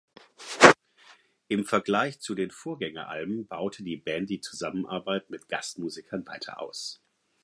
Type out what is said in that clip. Im Vergleich zu den Vorgängeralben baute die Band die Zusammenarbeit mit Gastmusikern weiter aus.